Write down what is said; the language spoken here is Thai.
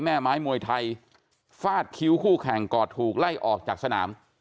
แม่ไม้มวยไทยฟาดคิ้วคู่แข่งก่อนถูกไล่ออกจากสนาม